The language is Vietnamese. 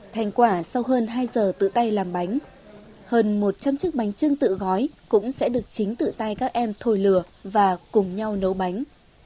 thành quả sau hơn hai giờ tự tay làm bánh hơn một trăm linh chiếc bánh trưng tự gói cũng sẽ được chính tự tay các em thổi lừa và cùng nhau nấu bánh